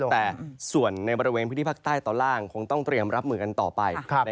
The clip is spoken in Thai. แต่ส่วนในบริเวณพื้นที่ภาคใต้ตอนล่างคงต้องเตรียมรับมือกันต่อไป